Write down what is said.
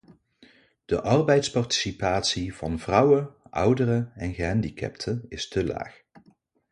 De arbeidsparticipatie van vrouwen, ouderen en gehandicapten is te laag.